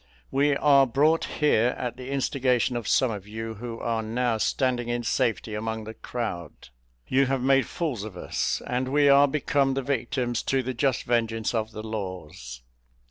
We are brought here at the instigation of some of you who are now standing in safety among the crowd: you have made fools of us, and we are become the victims to the just vengeance of the laws.